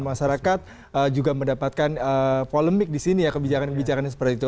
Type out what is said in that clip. masyarakat juga mendapatkan polemik di sini ya kebijakan kebijakan seperti itu